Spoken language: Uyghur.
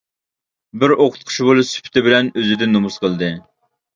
بىر ئوقۇتقۇچى بولۇش سۈپىتى بىلەن ئۆزىدىن نومۇس قىلدى.